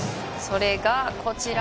それがこちら。